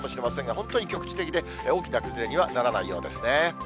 本当に局地的で、大きな崩れにはならないようですね。